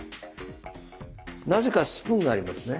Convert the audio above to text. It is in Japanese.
なぜかスプーンがありますね。